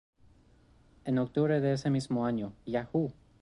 En octubre de ese mismo año Yahoo!